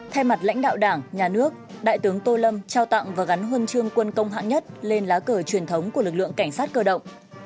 thay mặt lãnh đạo đảng nhà nước đại tướng tô lâm trao tặng và gắn huân chương quân công hạng nhất lên lá cờ truyền thống của lực lượng cảnh sát cơ động